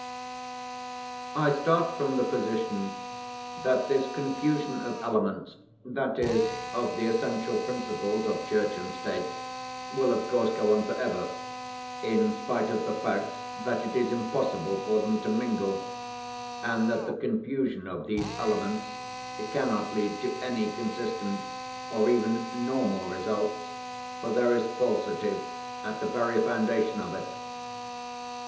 "I start from the position that this confusion of elements, that is, of the essential principles of Church and State, will, of course, go on for ever, in spite of the fact that it is impossible for them to mingle, and that the confusion of these elements cannot lead to any consistent or even normal results, for there is falsity at the very foundation of it.